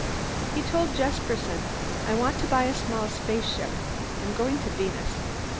He told Jesperson, "I want to buy a small spaceship. I'm going to Venus."